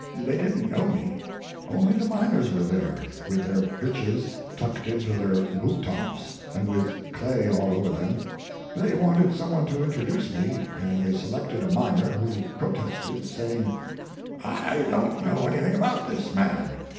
They didn't know me. Only the miners were there, with their breeches tucked into their boottops and with clay all over them. They wanted some one to introduce me, and they selected a miner, who protested, saying: "I don't know anything about this man.